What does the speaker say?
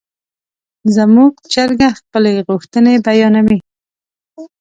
زموږ چرګه خپلې غوښتنې بیانوي.